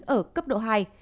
ở cấp độ hai